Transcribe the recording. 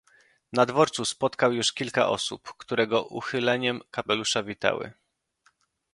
"Na dworcu spotkał już kilka osób, które go uchyleniem kapelusza witały."